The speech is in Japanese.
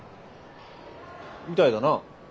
みたいだな。